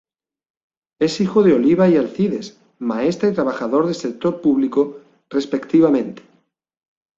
Es hijo de Oliva y Alcides, maestra y trabajador del sector público respectivamente.